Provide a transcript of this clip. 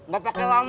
gak pakai lama